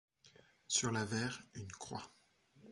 Sur l'avers, une croix.